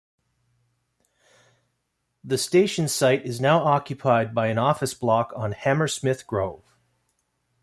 The station site is now occupied by an office block on Hammersmith Grove.